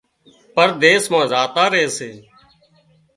پرديس مان زاتان ري سي